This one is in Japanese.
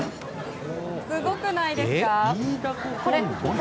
すごくないですか？